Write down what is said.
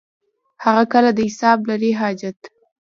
هغه کله د حساب لري حاجت.